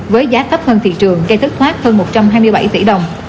với giá thấp hơn thị trường gây thất thoát hơn một trăm hai mươi bảy tỷ đồng